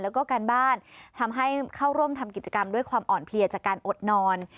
แล้วก็การบ้านทำให้เข้าร่วมทำกิจกรรมด้วยความอ่อนเพลียจากการอดนอน